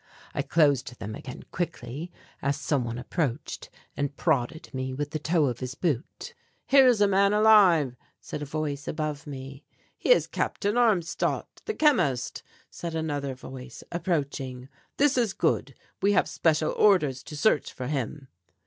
I closed them again quickly as some one approached and prodded me with the toe of his boot. "Here is a man alive," said a voice above me. "He is Captain Armstadt, the chemist," said another voice, approaching; "this is good. We have special orders to search for him."